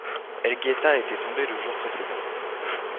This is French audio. Elgeta était tombé le jour précédent.